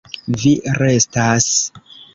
Vi restas?